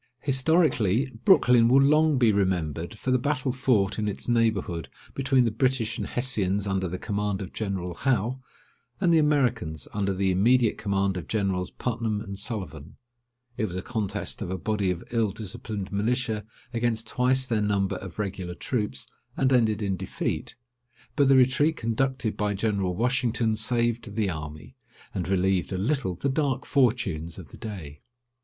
Historically, Brooklyn will long be remembered for the battle fought in its neighbourhood between the British and Hessians under the command of General Howe, and the Americans under the immediate command of Generals Putnam and Sullivan. It was a contest of a body of ill disciplined militia against twice their number of regular troops, and ended in defeat; but the retreat conducted by General Washington saved the army, and relieved a little the dark fortunes of the day.